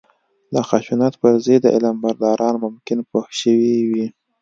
د خشونت پر ضد علمبرداران ممکن پوه شوي وي